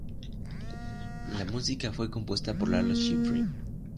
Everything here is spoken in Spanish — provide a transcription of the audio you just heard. La música fue compuesta por Lalo Schifrin.